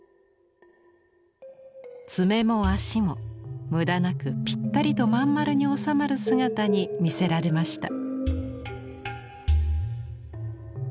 爪も足も無駄なくぴったりとまん丸に収まる姿に魅せられました。